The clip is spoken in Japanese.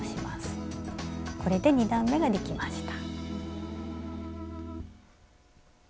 これで２段めができました。